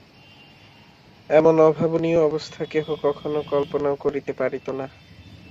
এমন অভাবনীয় অবস্থা কেহ কখনো কল্পনাও করিতে পারিত না।